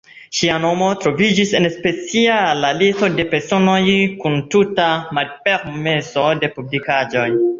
Ŝia nomo troviĝis en speciala listo de personoj kun tuta malpermeso de publikaĵoj.